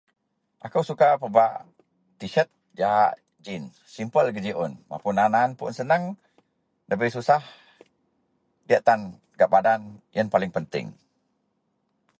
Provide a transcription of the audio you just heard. akou suka pebak t shirt jahak jean, simple geji un, mapun aan-aan pun senang debei susah, diyak tan gak badan ien paling penting